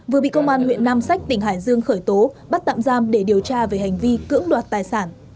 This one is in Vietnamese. vừa bị công an huyện nam sách tỉnh hải dương khởi tố bắt tạm giam để điều tra về hành vi cưỡng đoạt tài sản